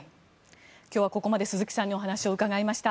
今日はここまで鈴木さんにお話を伺いました。